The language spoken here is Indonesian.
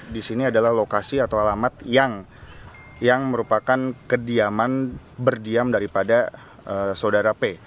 di sini adalah lokasi atau alamat yang merupakan kediaman berdiam daripada saudara p